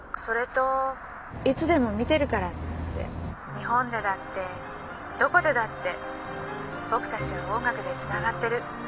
「日本でだってどこでだって僕たちは音楽でつながってる。